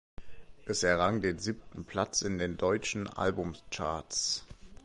Es errang den siebten Platz in den deutschen Albumcharts.